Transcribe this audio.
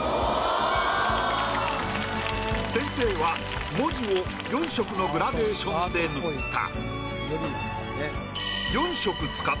先生は文字を４色のグラデーションで塗った。